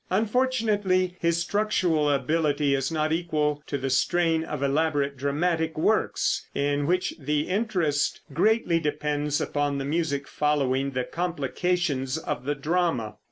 Unfortunately his structural ability is not equal to the strain of elaborate dramatic works, in which the interest greatly depends upon the music following the complications of the drama.